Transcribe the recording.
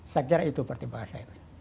saya kira itu pertimbangan saya